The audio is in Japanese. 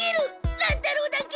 乱太郎だけ！